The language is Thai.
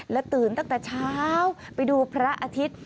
และตื่นตั้งแต่เช้าไปดูพระอาทิตย์